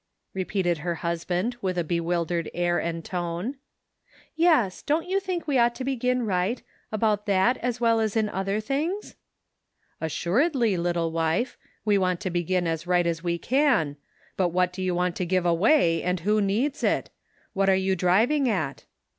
" repeated her husband, with a bewildered air and tone. " Yes ; don't jon think we ought to begin right, about that as well as in other things?" " Assuredly, little wife ; we want to begin as right as we can ;^ but what do you want to give away, and who needs it ? What are you driving at